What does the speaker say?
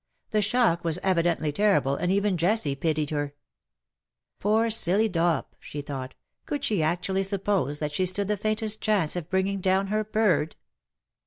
The shock was evidently terrible, and even Jessie pitied her. STILL COME NEW WOES. 6 " Poor silly Dop/^ she thought. " Could she actu ally suppose that she stood the faintest chance of bringing down her bird